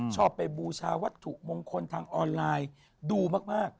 ชอบไปบูชาวัตถุมงคลทางออนไลน์ดูมาก